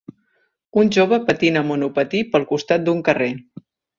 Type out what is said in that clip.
un jove patina amb monopatí pel costat d'un carrer.